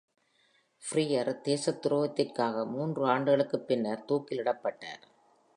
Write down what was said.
Ferrer தேசத்துரோகத்திற்காக மூன்று ஆண்டுகளுக்கு பின்னர் தூக்கிலிடப்பட்டார்.